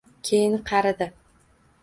Keyin qaridi.